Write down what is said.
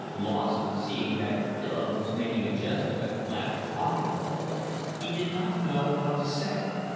Lawson, seeing that Philip was making a jest of it, laughed awkwardly. He did not know what to say.